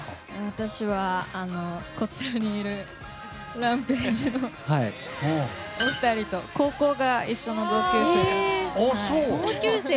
私はこちらにいるＴＨＥＲＡＭＰＡＧＥのお二人と高校が一緒の同級生で。